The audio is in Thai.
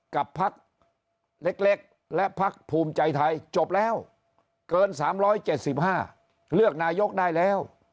กับพักเล็กและพักภูมิใจไทยจบแล้วเกิน๓๗๕เลือกนายกได้แล้ว